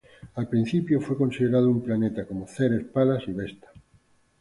Al principio fue considerado un planeta, como Ceres, Palas, y Vesta.